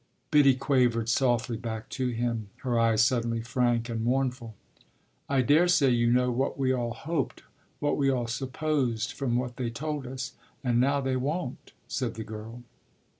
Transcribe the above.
Biddy quavered softly back to him, her eyes suddenly frank and mournful. "I daresay you know what we all hoped, what we all supposed from what they told us. And now they won't!" said the girl.